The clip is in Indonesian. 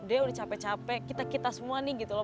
dia udah capek capek kita kita semua nih gitu loh